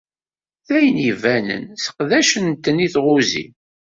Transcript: D ayen ibanen sseqdacen-ten i tɣuzi!